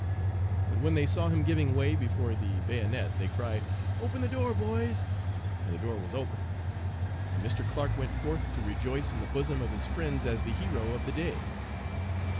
but when they saw him giving way before the bayonet, they cried, 'Open the door, boys,' and the door was opened, and Mr. Clark went forth to rejoice in the bosom of his friends as the hero of the day.